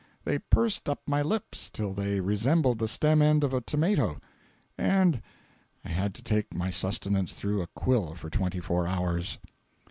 They pursed up my lips, till they resembled the stem end of a tomato, and I had to take my sustenance through a quill for twenty four hours.